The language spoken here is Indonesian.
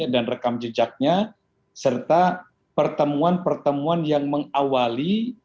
dan rekam jejaknya serta pertemuan pertemuan yang mengawali